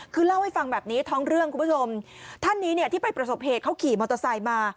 คือเล่าให้ฟังแบบนี้ท้องเรื่องคุณผู้ชมท่านนี้เนี่ยที่ไปประสบเหตุเขาขี่มอเตอร์ไซค์มา